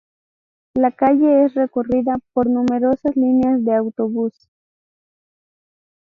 La calle es recorrida por numerosas líneas de autobús.